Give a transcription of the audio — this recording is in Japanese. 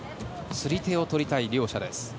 釣り手を取りたい両者です。